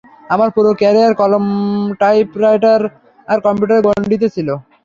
আমার পুরো ক্যারিয়ার কলম, টাইপরাইটার আর কম্পিউটারের গন্ডিতে ছিল।